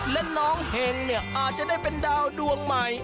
และน้องเห็งเนี่ยอาจจะได้เป็นดาวดวงใหม่